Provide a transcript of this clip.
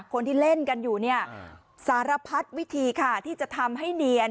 คนที่เล่นกันอยู่เนี่ยสารพัดวิธีค่ะที่จะทำให้เนียน